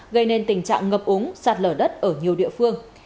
gây nên tình trạng ngập úng sạt lở đất ở nhiều địa phương